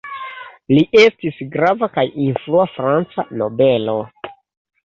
Li estis grava kaj influa franca nobelo.